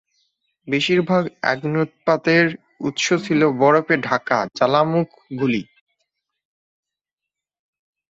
বেশিরভাগ অগ্ন্যুৎপাতের উৎস ছিল বরফে ঢাকা জ্বালামুখগুলি।